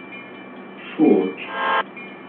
Ifuk.